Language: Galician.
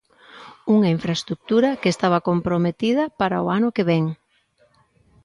Unha infraestrutura que estaba comprometida para o ano que vén.